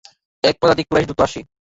এক পদাতিক কুরাইশ দ্রুত আসে।